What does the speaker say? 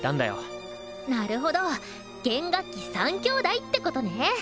なるほど弦楽器３兄弟ってことね！